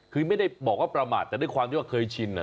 คือไม่ได้บอกว่าประมาทแต่ด้วยความที่ว่าเคยชิน